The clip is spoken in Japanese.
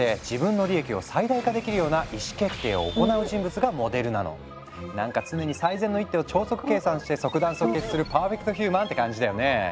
その名も得られる情報全てを利用して何か常に最善の一手を超速計算して即断即決するパーフェクトヒューマンって感じだよね。